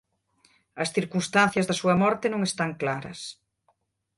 As circunstancias da súa morte non están claras.